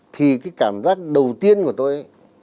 thì cái cảm giác đầu tiên của tôi